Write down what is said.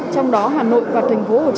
trong đó hà nội và tp hcm